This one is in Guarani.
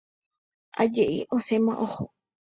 Aje'i osẽma oho.